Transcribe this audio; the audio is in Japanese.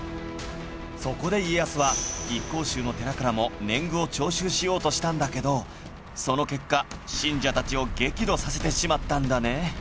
そこで家康は一向宗の寺からも年貢を徴収しようとしたんだけどその結果信者たちを激怒させてしまったんだね